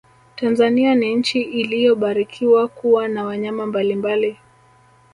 tanzania ni nchi iliyobarikiwa kuwa na wanyama mbalimbali